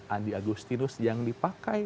andi agustinus yang dipakai